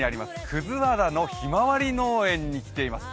葛和田のひまわり農園に来ています。